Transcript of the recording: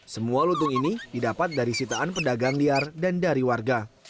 semua lutung ini didapat dari sitaan pedagang liar dan dari warga